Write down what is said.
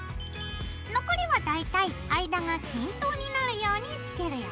残りは大体間が均等になるようにつけるよ。